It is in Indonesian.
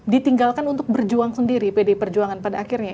ditinggalkan untuk berjuang sendiri pdi perjuangan pada akhirnya